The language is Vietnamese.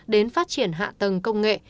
đến phát triển hạ tầng công nghệ